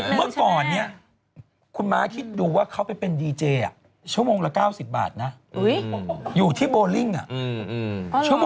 เมื่อก่อนเนี่ยคุณม้าคิดดูว่าเขาไปเป็นดีเจชั่วโมงละ๙๐บาทนะอยู่ที่โบลิ่ง